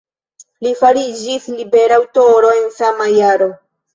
Li fariĝis libera aŭtoro en sama jaro.